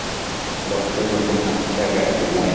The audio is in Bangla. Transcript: বক্সের মধ্যে ভাংতি টাকা আছে, ঐগুলা নেন।